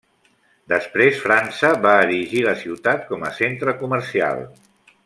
Després França va erigir la ciutat com a centre comercial.